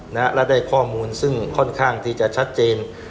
และได้ข้อมูลซึ่งค่อนข้างที่จะชัดเจน